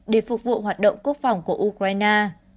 để phục vụ hoạt động quốc phòng của ukraine